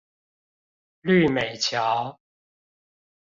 綠美橋